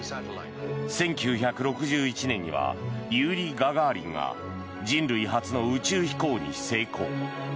１９６１年にはユーリ・ガガーリンが人類初の宇宙飛行に成功。